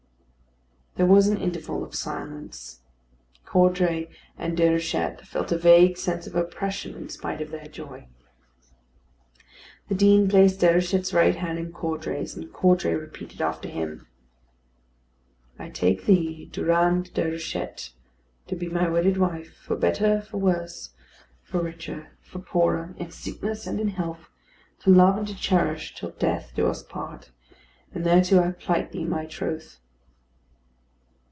There was an interval of silence. Caudray and Déruchette felt a vague sense of oppression in spite of their joy. The Dean placed Déruchette's right hand in Caudray's; and Caudray repeated after him: "I take thee, Durande Déruchette to be my wedded wife, for better for worse, for richer for poorer, in sickness and in health, to love and to cherish till death do us part; and thereto I plight thee my troth."